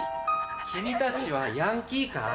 君たちはヤンキーかい？